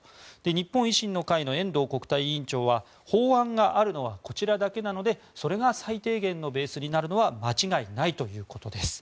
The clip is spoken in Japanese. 日本維新の会の遠藤国対委員長は法案があるのはこちらだけなのでそれが最低限のベースになるのは間違いないということです。